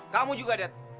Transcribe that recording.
kamu juga dad